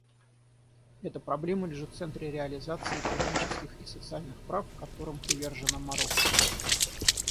Эта проблема лежит в центре реализации экономических и социальных прав, которым привержено Марокко.